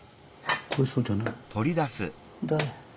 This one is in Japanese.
これそうじゃない？どれ？